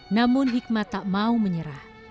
namun hikmat tak mau menyerah